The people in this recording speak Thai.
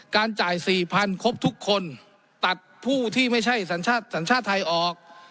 การจ่ายสี่พันครบทุกคนตัดผู้ที่ไม่ใช่สัญชาติสัญชาติไทยออก